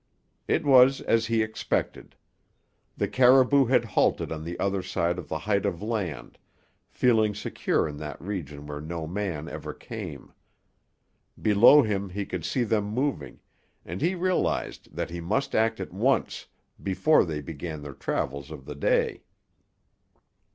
It was as he expected. The caribou had halted on the other side of the height of land, feeling secure in that region where no man ever came. Below him he could see them moving, and he realised that he must act at once, before they began their travels of the day.